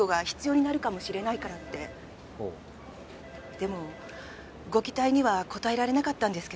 でもご期待には応えられなかったんですけど。